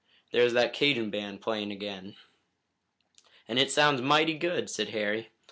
There's that Cajun band playing again." "And it sounds mighty good," said Harry.